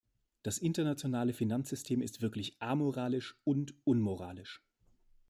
Das internationale Finanzsystem ist wirklich amoralisch und unmoralisch.